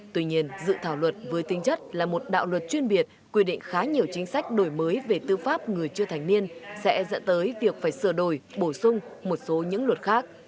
tuy nhiên dự thảo luật với tinh chất là một đạo luật chuyên biệt quy định khá nhiều chính sách đổi mới về tư pháp người chưa thành niên sẽ dẫn tới việc phải sửa đổi bổ sung một số những luật khác